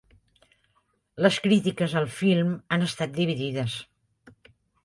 Les crítiques al film han estat dividides.